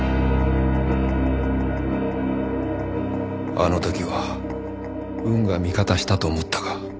あの時は運が味方したと思ったが。